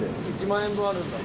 １万円分あるんだ。